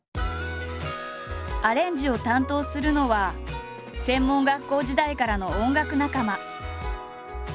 アレンジを担当するのは専門学校時代からの音楽仲間。